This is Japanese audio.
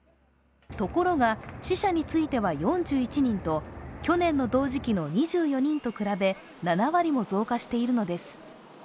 ところが死者については４１人と、去年の同時期の２４人と比べ７割も増加しているのです。